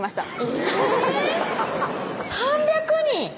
えぇっ３００人！